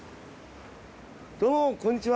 どうもこんにちは。